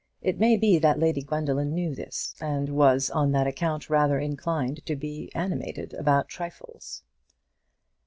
It may be that Lady Gwendoline knew this, and was on that, account rather inclined to be animated about trifles.